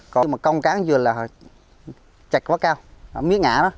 còn công cán vừa là chạch quá cao mía ngã đó